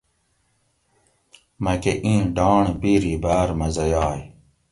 مکٞہ اِیں ڈانڑ بیری باٞر مزہ یاگ